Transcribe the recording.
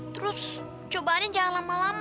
terus coba aja jangan lama lama